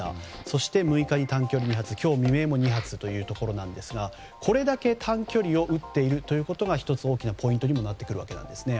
そして６日に短距離２発今日未明も２発ということですがこれだけ短距離を撃っているというのが１つ、大きなポイントにもなってくるわけなんですね。